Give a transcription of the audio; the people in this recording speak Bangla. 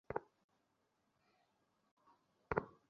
ফেজি ভাই, সুপ্রিম কোর্টের সাথে আমি কিভাবে দেখা করতে পারি?